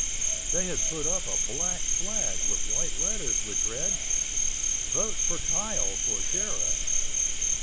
They had put up a black flag with white letters which read: "VOTE FOR KYLE FOR SHERIFF."